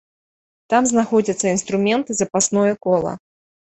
Там знаходзяцца інструмент і запасное кола.